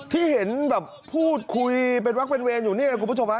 ที่เห็นแบบพูดคุยเป็นวักเป็นเวรอยู่นี่แหละคุณผู้ชมฮะ